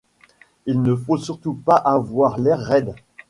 Il ne faut surtout pas avoir l'air raide.